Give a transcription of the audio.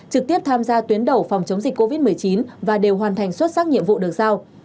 trực tiếp tham gia tuyến đầu phòng chống dịch covid một mươi chín và đều hoàn thành xuất sắc nhiệm vụ được giao